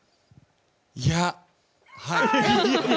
いやはい。